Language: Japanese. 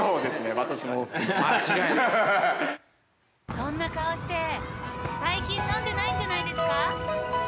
◆そんな顔して、最近飲んでないんじゃないですか。